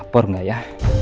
lapor gak ya